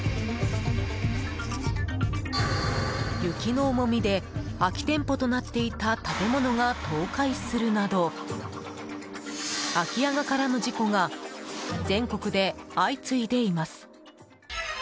雪の重みで空き店舗となっていた建物が倒壊するなど空き家が絡む事故が全国で相次いでいます。